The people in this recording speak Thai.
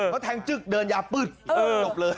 เขาแทงจึ๊กเดินยาปืดจบเลย